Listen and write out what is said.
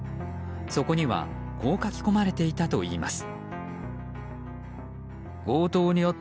そこにはこう書き込まれていたといいます。